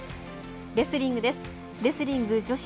レスリングです。